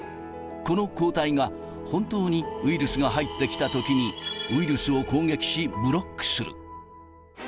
この抗体が、本当にウイルスが入ってきたときに、ウイルスを攻撃し、ブロックする。